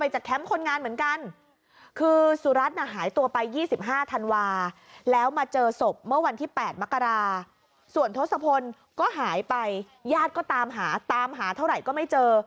ส่วนทศพเมื่อวันที่๘มกราส่วนทศพลก็หายไปญาติก็ตามหาตามหาเท่าไหร่ก็ไม่เจอ